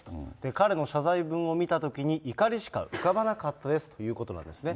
彼の謝罪文を見たときに怒りしか浮かばなかったですということなんですね。